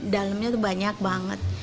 dalamnya tuh banyak banget